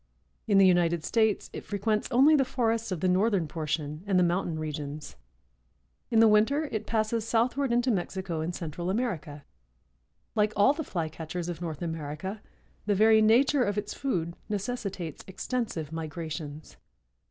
In the United States it frequents only the forests of the northern portion and the mountain regions. In the winter it passes southward into Mexico and Central America. Like all the Flycatchers of North America, the very nature of its food necessitates extensive migrations.